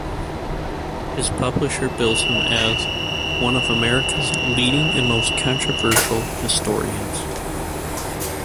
His publisher bills him as "one of America's leading and most controversial historians".